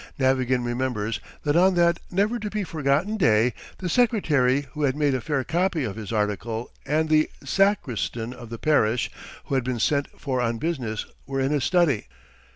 Navagin remembers that on that never to be forgotten day the secretary who had made a fair copy of his article and the sacristan of the parish who had been sent for on business were in his study.